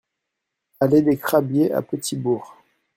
Allée des Crabiers à Petit-Bourg